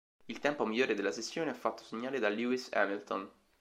Il tempo migliore della sessione è fatto segnare da Lewis Hamilton.